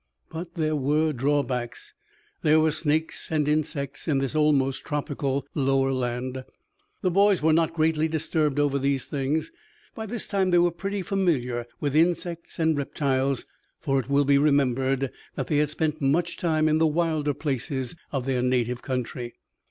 But there were drawbacks. There were snakes and insects in this almost tropical lower land. The boys were not greatly disturbed over these things. By this time they were pretty familiar with insects and reptiles, for it will be remembered that they had spent much time in the wilder places of their native country.